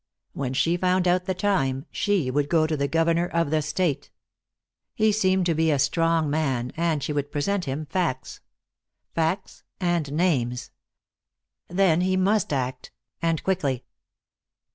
When she found out the time she would go to the Governor of the State. He seemed to be a strong man, and she would present him facts. Facts and names. Then he must act and quickly.